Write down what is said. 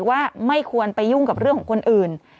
ว่าไม่ควรไปยุ่งกับเรื่องของคนอื่น